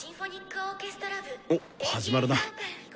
おっ始まるな。